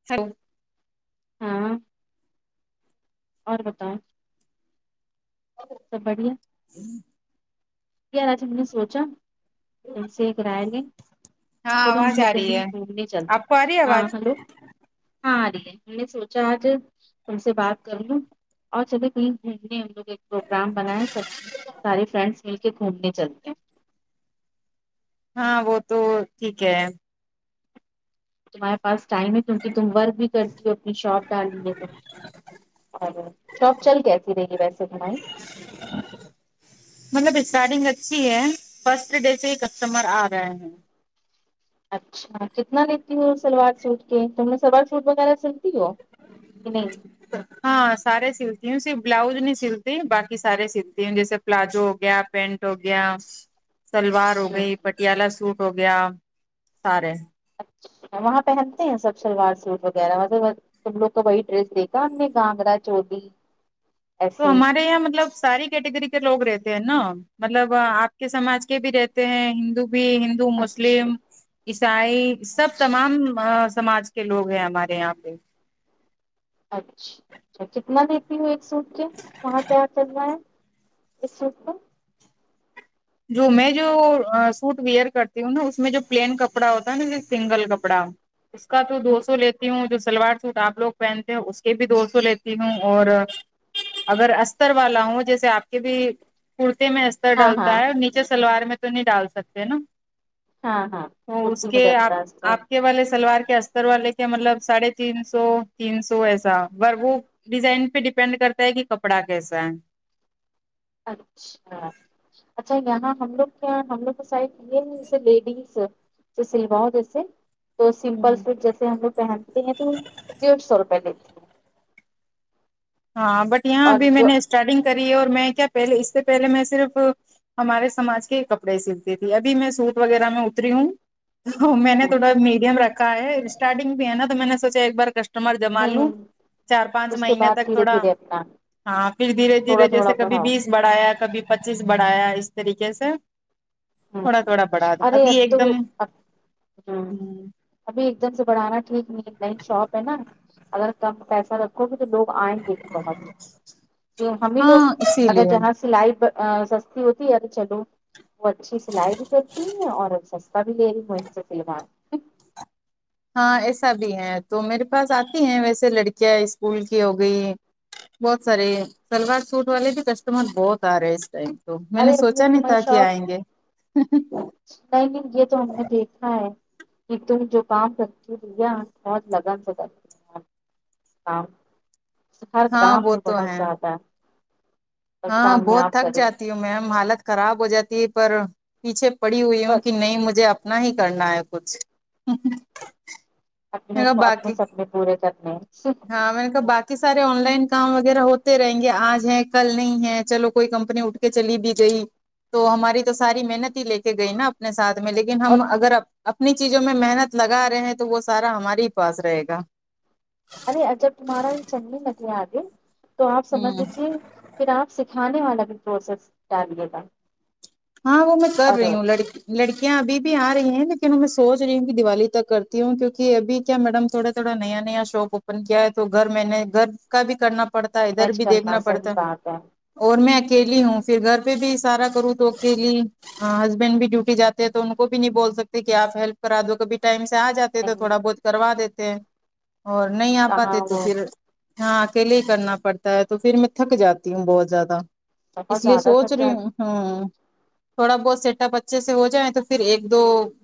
[unintelligible] ہاں اور بتاؤ سب بڑھیا [unintelligible] یار آج ہم نے سوچا ان سے ایک راے لیں ہاں چلو ہم آواز لوگ آ کہیں رہی ہے گھومنے چلتے آپ کو آ رہی ہے ہاں آواز ہیلو ہاں آرہی ہے ہم نے سوچا آج تم سے بات کر لوں اور چلے تس دن نے ان لوگ ایک پروگرام بنایا سب سارے فرینڈس مل گھومنے چلتے ہیں ہاں وہ تو ٹھیک ہے تمہارے پاس ٹائم ہے کیونکہ تم ورک بھی کرتی ہو اپنی شاپ ڈالی ہے تو اور شاپ چل کیسی رہے گی ویسے تمہاری مطلب اسٹارٹنگ اچھی ہے فرسٹ ڈے سے ہی کسٹمر آ رہے ہیں اچھا کتنا لیتی ہوں سلوار سوٹ کے تم نے سلوار سوٹ وغیرہ سلتی ہو کہ ا [inaudible] ہاں سارے سلتی ہوں صرف بلاؤز نہیں سلتی باقی سارے سلتی ہوں جیسے پلازو ہو گیا پینٹ ہو گیا سلوار ہو نہیں گئی پٹیالہ سوٹ ہو گیا سارے اچھا وہاں پہنتے ہیں سب شلوار سوٹ وغیرہ مطب تم لوگ کا وہی ڈریس دیکھا ہم نے گانگگرا چولی تو ایسے ہمارے یہاں مطلب ساری کیٹیگری کے لوگ رہتے ہیں نا مطلب آپ کے سماج کے بھی رہتے ہیں ہندو بھی ہندو اچھا مسلم عیسائی سب اچھا تمام سماج کے لوگ ہیں ہمارے یہاں پہ اچھا اچھا کتنا دیتی ہوں ایک سوٹ کے وہاں کیا چل رہا ہے ایک سوٹ جو میں جو سوٹ ویئر کرتی ہوں نا اس میں جو پلین کپڑا ہوتا ہے نا جو سنگل کپڑا اس کا تو دو سو لیتی ہوں جو سلوار سوٹ آپ لوگ پہنتے ہیں اس کے بھی دو سو لیتی ہوں اور اگر استر والا ہوں جیسے آپ کے بھی کرتے میں ر ہاں ہاں ڈالتا ہے اور نیچے سلوار میں تو نہیں ڈال سکتے ہے نا ہاں ہاں تو اس کرتی میں کے آپ ڈلتا اس کا آپ کے والے سلوار کے سلوار کے مطلب ساڑھے تین سو تین سو ایسا بس وہو ڈیزائن پہ ڈیپینڈ کرتا ہے کہ کپڑا کیسا ہے اچھا اچھا یہاں ہم لوگ کیا ہم لوگ کو سائڈ یہ جیسے لیڈیز ج سلواؤ جیسے تو سمپل ہوں سٹ جیسے ہم لگ پہنتے ہیں تو ڈیڑھ سو روپے لیتے ہیں ہاں بٹ یہاں اور ابھی میں جو نے اسٹارٹنگ کری اور میں کیا پہلے اس سے پہلے میں صرف ہمارے سماج کے کپڑے سلتی تھی ابھی میں سوٹ وغیرہ میں اتری ہوں میں نے تھوڑا نہیں میڈیم رکھا ہے اسٹارٹنگ بھی ہے نا تو میں نے سوچا ایک بار کسٹ مر جمالوں نہیں چار پانچ اس کے مہینے بعد تک دھیرے تھوڑا دھیرے اپنا ہاں پھر دھیرے تھوڑا دھیرے تھوڑا جیسے کبھی پڑھاؤ بیس بڑھایا کبھی پچیس بڑھایا اس طریقے سے ہ تھوڑا تھوڑا بڑا دوں ارے ابھی اب ایک تو دم اب ہوں مم ابھی ایک دم سے بڑھانا ٹھیک نہیں نئی شاپ ہے نا اگر کم پیسہ تو لوگ آئیں گے بھی بہت کہ ہمیں لوگ ہاں اسی اگر لیے جہاں سلائی سستی ہوتی یار چلو وہ اچھی سلائی بھی کرتی ہیں اور سستا بھی لے رہی ہے وہی سے سلواے ہاں ایسا بھی ہے تو میرے پاس آتی ہیں ویسے لڑکیاں اسکول کی ہو گئی بہت سارے شلوار سوٹ والے بھی کسٹمر بہت آ رہے ہیں اس ٹائم تو میں ارے نے ابھی سوچا نہیں تمہاری تھا کہ شاپ آئیں گے اچھی نہیں نہیں یہ تو ہم نے دیکھا ہے کہ تم جو کام کرتی ہو دھیان اور لگن س کرتی ہو م سر ہاں کام وہ میں تو بہت ہے زیادہ [unintelligible] بس ہاں بہت کامیاب تھک کرے جاتی ہے ہ میم حالت خراب ہو جاتی ہے پر پیچھے پڑی ہوئی پر ہوں کہ نہیں مجھے اب اتنا ہی کرنا ہے کچھ اپنے میں نے کہا کو اپنے باقی سپنے پورے کرنے ہیں ہاں میں نے تو بات ی سارے آن لائن کام وغیرہ ہوتے رہیں گے آج ہے کل نہیں ہے چلو کوئی کمپنی اٹھ کے چلی بھی گئی تو ہماری تو ساری محنت ہی لے کے گئی نا اپنے ساتھ میں لیکن اور ہم اگر اپنی چیزوں میں محنت لگا رہے ہیں تو وہ سارا ہمارے ہی پاس رہے گا ارے جب تمہارا یہ چننی ندیا آگی تو آپ سمجھ ہوں لیجیے [unintelligible] پھر آپ سکھانے والا بھی پروسیس ڈالیے گا ہاں وہ میں کر اور رہی ہوں لڑکی لڑکیاں ابھی بھی آ رہی ہیں لیکن میں سوچ رہی ہوں کہ دیوالی تک کرتی ہوں کیونکہ ابھی کیا میڈم تھوڑا تھوڑا نیا نیا شاپ اوپن کیا ہے تو گھر میں نے گھر گھرکا بھی کرنا پڑتا ہے ادھر مینج بھی کرنا دیکھنا صحیح پڑتا ہے بات اور میں اکیلی ہوں پھر گھر پہ بھی سارا کروں کے لیے ہسبینڈ بھی ڈیوٹی جاتے ہیں تو ان کو بھی نہیں بول سکتے کہ آپ ہیلپ کرا دو کبھی ٹائم سے آ جاتے تو نہیں تھوڑا بہت کروا دیتے ہیں اور نہیں آ کہاں پاتے تو وہ پھر ہاں اکیلے ہی کرنا پڑتا ہے تو پھر میں تھک جاتی ہوں بہت زیادہ بہت اس لیے زیادہ سوچ تھک رہی جاتی ہوں ہاں تھوڑا بہت سیٹ اپ اچھے سے ہو جائیں تو پھر ایک دو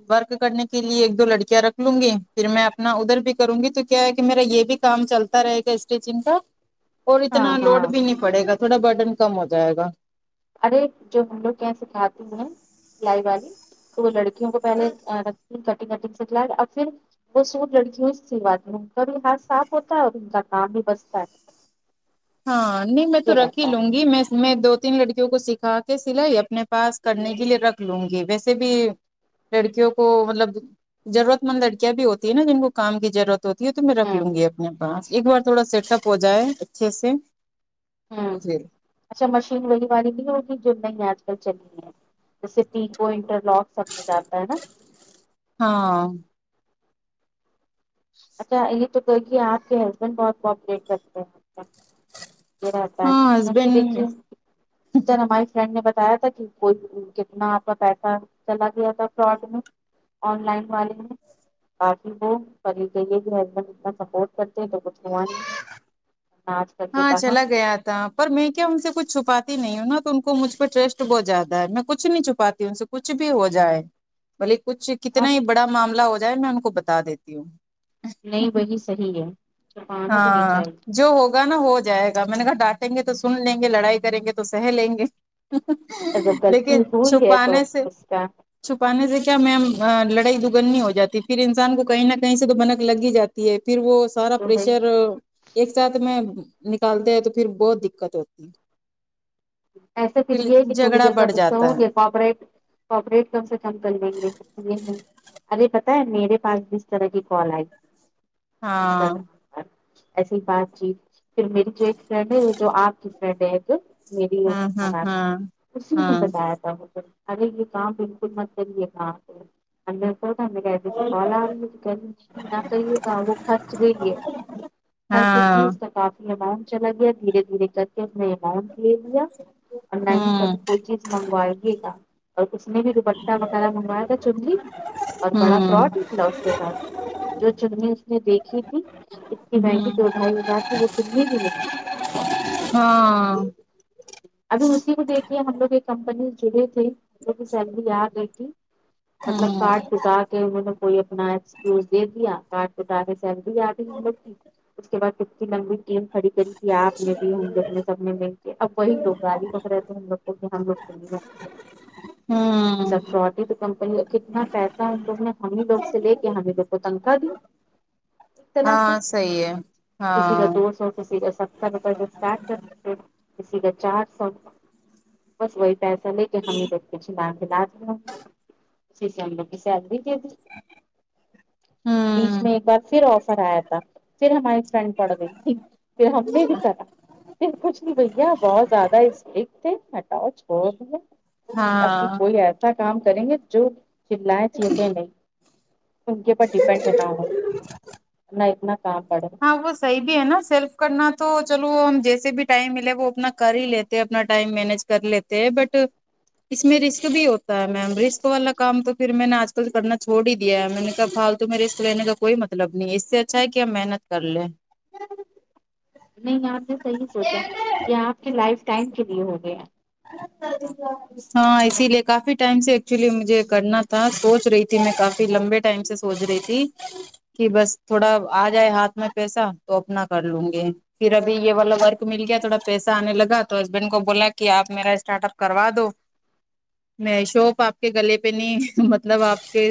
ورک کرنے کے لیے ایک دو لڑکیاں رکھ لوں گی پھر میں اپنا ادھر بھی کروں گی تو کیا ہے کہ میرا یہ بھی کام چلتا رہے گا اسٹیچنگ کا اور ہاں اتنا ہاں لوڈ بھی نہیں پڑے گا تھوڑا برڈن کم ہو جائے گا ارے جو ہم لوگ یہاں سکھاتی ہیں سلائی والی تو وہ لڑکیوں کو پہلےکھ کٹنگ کٹنگ سکھلاے اور پھر وہ سوٹ لڑکیوں سے سلواتے ہے ان کا بھی ہاتھ صاف ہوتا ہے اور ان کا کام بھی بچتا ہے ہاں نہیں میں تو یہ رکھ ہی رہتا لوں ہے گی میں میں دو تین لڑکیوں کو سکھا کے سلائی اپنے پاس کرنے کے لیے رکھ لوں گی ویسے بھی لڑکیوں کو مطلب ضرورت مند لڑکیاں بھی ہوتی ہے نا جن کو کام کی ضرورت ہوتی ہے تو میں رکھ لوں گی ہ اپنے پاس ایک بار تھوڑا سیٹ اپ ہو جائے اچھے سے ہ تو پھر اچھا مشین وہی والی لی ہوگی جو نئی آج کل چل رہی ہے جیسے پی کو انٹر لاک سب سے جاتا ہے نا ہاں اچھا یہ توئی کہے گی آپ کے ہسبینڈ بہت کوپریٹ کرتے ہیں کیا یہ رہتا ہے ہاں کیونکہ ہسبینڈ دیکھیے جنم فرینڈ نے بتایا تھا کہ کوئی کتنا آپ کا پیسہ چلا گیا تھا فراڈ میں آن لائن والے ہیں ب باقی وہ ابھی تو یہ کے ہسبینڈ اتنا سپورٹ کرتے ہیں تو کچھ ہوا ورنہ آج کل کے ہاں کہا چلا گیا تھا پر میں کیا ان سےکچھ چھپاتی نہیں ہوں ن تو ان کو مجھ پہ ٹرسٹ بہت زیادہ ہے میں کچھ نہیں چھپا ہوں سے کچھ بھی ہو جائے بلیے کچھ کتنا ہی آپ بڑا معاملہ ہو جائے میں ان کو بتا دیتی ہوں نہیں وہی صحیح ہے چھپانا تو نہیں ہاں چاہیے جو ہوگا نا ہو جائے گا میں نے کہا ڈانٹیں گے تو سن لیں گے لڑائی کریں گے تو سہ لیں گے جب غلطی لیکن ہوئی ہے تو چھپانے سے اس کا چھپانے سے کیا میم لڑائی دگننی ہو جاتی پھر انسان کو کہیں نہ کہیں سے تو بنک لگ ہی جاتی ہے پھر وہ سارا جو ہے پریشر ایک ساتھ میں نکالتے ہیں تو پھر بہت دقت ہوتی ہے ایسا پھر یہ ہے کہ تھوڑی جھگڑا دیر کا بڑھ غصہ ہو جاتا ہے گیا کوپریٹ کوپریٹ کم سے کم کر لیں گے یہ نہیں ارے پتا ہے میرے پاس کس طرح کی کال آئی تھی ہاں انسٹاام ایسی بات چی پھر میری جو ایک فرینڈ ہے جو آپ کی فرینڈ ہے ایک میری ہاں ہاں مات اسی نے ہاں بتایا تھا وہ ارے یہ کام بالکل مت کریا لےاپ لوگ اندر کال آ رہی ہے نہ کہے گا وہ تھو یکھا کھس گئی ہے ہاں ہنس چکی ہے اس کا کافی اماؤنٹ چلا گیا دھیرے دھیرے کر کے اپنے اماؤنٹ لے لیا اور نہ ہاں ہی ہوں کبھی کو چیز منگوائیے گا اور اس نے بھی ر بٹہ وغیرہ منگوایا تھا چغلی اور بڑا ہوں فراڈ نکلا اسکے ساتھ جو چننی اس نے دیکھی تھی اتنی مہنگی ہوں دو ڈھائی ہزار وہ چننی بھی نہیں ہاں ابھی اسی کو دیکھیے ہم لوگ ایک کمپنی چنی تھی وہ بھی سینوی آیا گئی تھی مطلب ہوں کارڈ ٹٹا کے انہوں نے کوئی اپنا ایکسکیوز دے دیا کڈ توتاارے کہ سیلری اگئی ہم لوگ کی اس کے بعد ٹکی لنگی ٹیم کھڑی کری کی آپ نے بھی ہم لوگ نے سب نہ مل کے اب وہی لوگ گالی بک رہے تھے ہم لوگ کو [unintelligible] ہوں سب فراڈ ہی تو کمپنی ہے کتنا پیسہ تو نے ہم ہی لوگ سے لے کے ہمیں لوگ کو تنکھا دی ا طرح سے ہاں صحیح ہے کسی کا ہاں دوسو اور کسی کا سب تب وتر کے ساٹھ کسی کے چار سو بس وہی پیسے لی [unintelligible] ک ہم نےتو کچھ لاک کے بات اچھی سنبو دلا دیا کی س بھی د بیچ ہوں میں ایک بار پھر آفر آیا تھا پھر ہماری فرینڈ پڑ گئی تھی پھر ہم نے بھی کاٹا پھر کچھ نہیں بئی کیہ بہت زیادہ اسٹیک تھے ہٹاؤ چھوڑو ڈی اے اپنی ہاں کوئی ای اچھا کام کریں گے جو چلائے چیخے نہیں ان کے پر ڈیپینڈ نہ ہو نہ اتنا کام پڑے وہ صحیح بھی ہے نا سیلف کرنا تو چلو وہ ہم جیسے بھی ٹائم ملے وہ اپنا کر ہی لیتے اپنا ٹائم مینج کر لیتے ہیں بٹ اس میں رسک بھی ہوتا ہے میم رسک والا کام تو پھر میں نے آج کرنا چھوڑ ہی دیا ہے میں نے کہ فالتو میں رسک لینے کا کوئی مطلب نہیں ہے اس سے اچھا ہے کہ اب محنت کر لے نہیں آپ نے صحیح سوچا یہ آپ کے لائف ٹائم کے لیے ہو گیا ال ہاں اسی لیے کافی ٹائم سے ایکچولی مجھے کرنا تھا سوچ رہی تھی میں کافی لمبے ٹائم سے سوچ رہی تھی کہ بس تھوڑا آ جائے ہاتھ میں پیسہ تو اپنا کر لوں گے پھر ابھی یہ والا ورک مل گیا تھوڑا پیسہ آنے لگا تو ہسبینڈ کو بولا کہ آپ میرا اسٹارٹ اپ کروا دو میں شوپ آپ کے گلے پہ نہیں مطلب آپ کے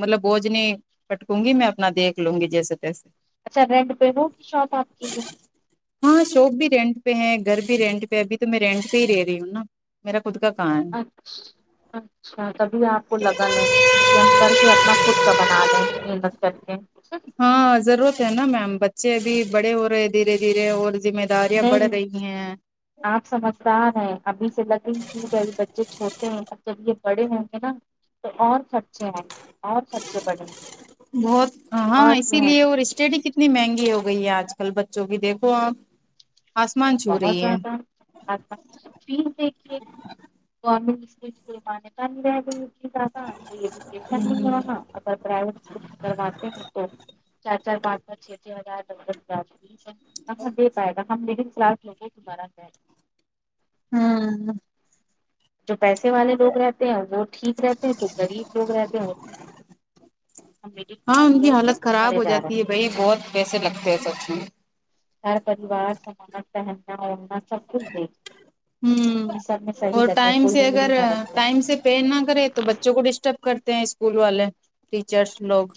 مطلب بوجھ نے پٹکوں گی میں اپنا دیک لوں گی جیسے تیسے اچھا رینڈ پے ہو کی شاپ آپ کی ہے ہاں شاپ بھی رینٹ پہ ہے گھر بھی رینٹ پہ ابھی تو میں رینٹ پہ ہی رہ رہی ہوں نا میرا خود کا کہاں ہے اچھ اچھا تبھی آپ کو لگن ہے کہ ہم کر کے اپنا خود کا بنا لیں محنت کر کے ہاں ضرورت ہے نا میم بچے ابھی بڑے ہو رہے دھیرے دھیرے اور جمے داریاں بڑھ نہیں رہی ہیں آپ سمجھدار ہیں ابھی سے لگی چیز ہے بچے چھوٹے ہیں اب جب یہ بڑے ہوں گے نا تو اور خرچے ہیں بہت ہاں اور اسی جو ہے لیے اور اسٹڈی کتنی اتنی مہنگی ہو گئی ہے آج کل بچوں کی دیکھو آپ آسمان چھو بہت رہی ہے زیادہ اچا فیس دیکھیے گورورنمنٹ اسکول کوئی مانتا نہیں رہ گئی کوئی ایجوکیشن نہیں ہو رہا اگر پرویٹ اسکول میں کرواتے ہیں تو چار چار پانچ پچ چھ چھ ہزار ڈولب فیس ہے کہاں دے پائے گا ہم میڈل کلاس لوگوں کی ضرورت ہے ہوں جو پیسے والے لوگ رہتے ہیں وہ ٹھیک رہتے ہیں جو غریب لوگ رہتے ہیں وہھ ہاں ان کی لوگ تو حالت خراب مرے ہو جا رہے ہیں جاتی ہے بھائی بہت پیسے لگتے ہیں سچ میں ہر پریوار سماج پہننا اڑنا سب کچھ دیکھ ہوں یہ سب میں صحیح لگے کوئی ہی ہی نہ رکھے پین نہ کرے تو بچوں کو ڈسٹرب کرتے ہیں اسکول والے ٹیچرس لوگ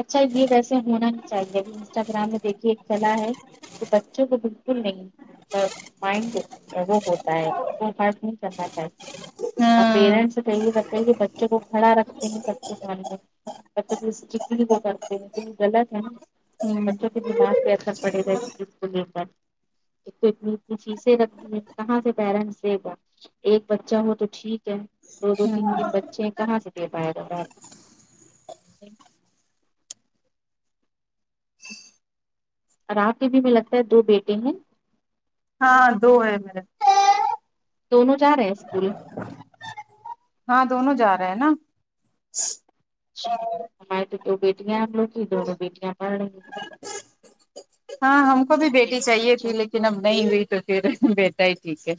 اچھا یہ ویسے ہونا ہی چاہیے ابھی انسٹاگرام میں دیکھیے ایک کلا ہے کہ بچوں کو بالکل نہیں مائنڈ وہ ہوتا ہے کرنا چاہے اور ہاں پیرینٹس یہ بچے کو کھڑا رکھتے ہیں سب کے سامنے میں بچوں کو جی وہ کرتے ہیں تو یہ غلط ہے نا بچوں کے دماغ میں کیسا پڑے گا اس چیز کو لے کر ایک تو اتنی اتنی چیزیں رکھ دی ہے کہاں سے پیرنٹس دے گا ایک بچہ ہو تو ٹھیک ہے دو دو تین تین بچے ہیں کہاں سے دے پائے گا اور آپ کے بھی میں لگتا ہے دو بیٹے ہیں ہاں دو ہے میرے دونوں جا رہے ہیں اسکول ہاں دونوں جا رہے ہیں نا ہماری تو دو بیٹیاں ہم لوگ کی دونوں بیٹیاں پڑھ رہی ہیں ہاں ہم کو بھی دونوں بیٹی بیٹیوں کا چاہیے اچھا تھی لیکن اب نہیں ہوئی تو پھر بیٹا ہی ٹھیک ہے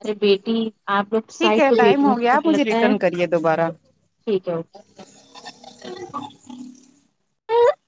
ارے بیٹی آپ لگت ٹھیک سائڈ ہے تو ٹائم بیٹیوں ہو میں گیا تو آپ ہمیں مجھے لگتا ہے ریٹرن کریے دوبارہ ٹھیک ہے اوکے